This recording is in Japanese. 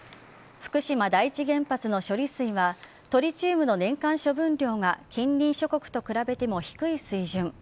福島第１原発の処理水はトリチウムの年間処分量が近隣諸国と比べても低い水準。